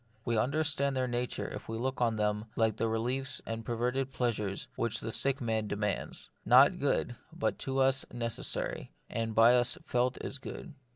We understand their nature if we look on them as like the reliefs and perverted pleasures which the sick man demands ; not good, but to us necessary, and by us felt as good.